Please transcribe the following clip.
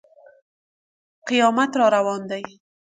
قیامت را روان دی.